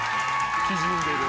縮んでる。